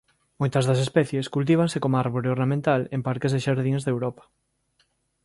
Moitas das especies cultívanse coma árbore ornamental en parques e xardíns de Europa.